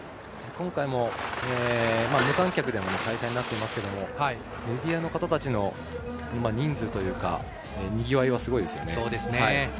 今回も、無観客での開催になってますけれどもメディアの方たちの人数にぎわいは、すごいですね。